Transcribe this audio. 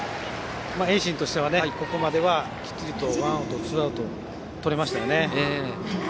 盈進としてはここまではきっちりとワンアウト、ツーアウトをとれましたね。